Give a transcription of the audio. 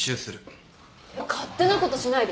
勝手なことしないで。